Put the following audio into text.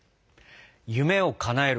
夢をかなえること